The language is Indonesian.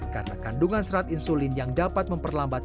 karena kandungan serat insulin yang dapat memperlambat